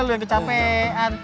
lu yang kecapean